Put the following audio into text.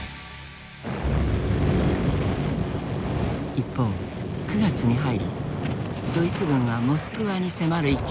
一方９月に入りドイツ軍はモスクワに迫る勢いを見せていた。